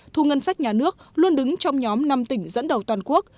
thu ngân sách nhà nước luôn đứng trong nhóm năm tỉnh dẫn đầu toàn quốc